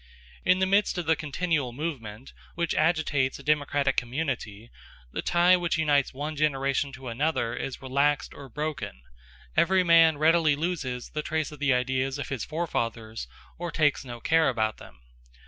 In the midst of the continual movement which agitates a democratic community, the tie which unites one generation to another is relaxed or broken; every man readily loses the trace of the ideas of his forefathers or takes no care about them.